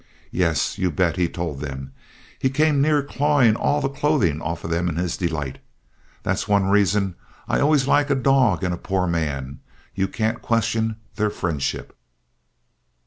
Yes, you bet he told them. He came near clawing all the clothing off them in his delight. That's one reason I always like a dog and a poor man you can't question their friendship."